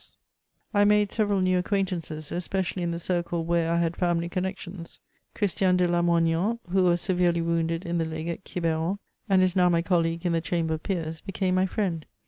402 MEMOIRS OF I made several new acquamtances, especially in the circle where I had family connexions : Christian de Lamoig^iKMi, who was sererely womided in the leg at Quiberon, and is now mj colleague in the Chamber of Peers, became my firiend.